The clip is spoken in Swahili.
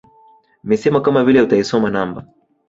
Misemo kama vile utaisoma namba